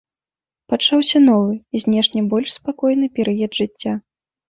Пачаўся новы, знешне больш спакойны перыяд жыцця.